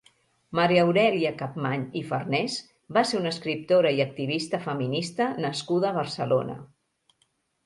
Maria Aurèlia Capmany i Farnés va ser una escriptora i activista feminista nascuda a Barcelona.